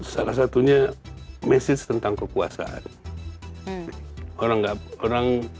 salah satunya message tentang kekuasaan